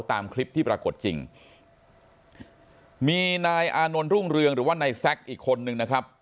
ตามคลิปที่ปรากฏจริงมีนายอานนท์รุ่งเรืองหรือว่านายแซคอีกคนนึงนะครับ